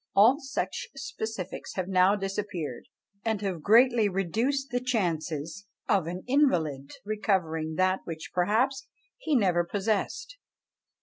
All such specifics have now disappeared, and have greatly reduced the chances of an invalid recovering that which perhaps he never possessed.